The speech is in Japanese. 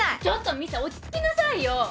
ちょっと美沙落ち着きなさいよ！